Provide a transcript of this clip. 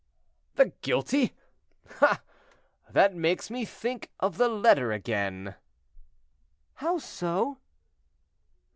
"The guilty! Ah! that makes me think of the letter again." "How so?"